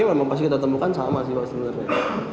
memang pasti kita temukan sama sih pak sebenarnya